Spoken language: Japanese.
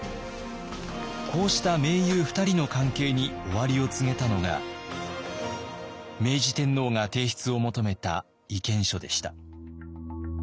こうした盟友２人の関係に終わりを告げたのが明治天皇が提出を求めた意見書でした。